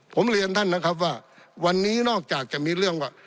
ผมเรียนท่านนะครับว่าวันนี้นอกจากจะมีเรื่องว่า